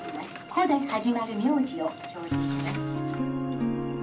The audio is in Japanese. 『コ』で始まる苗字を表示します」。